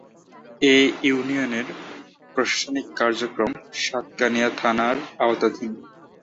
এ ইউনিয়নের প্রশাসনিক কার্যক্রম সাতকানিয়া থানার আওতাধীন।